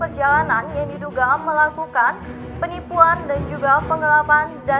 sudah sok dipake aja